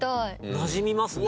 なじみますね。